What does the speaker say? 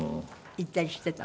行ったりしてたの？